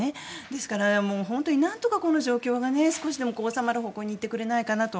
ですから、本当に何とかこの状況が少しでも収まる状況にいってくれないかなと。